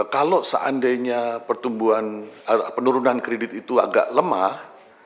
kalau seandainya penurunan kredit itu agak lemah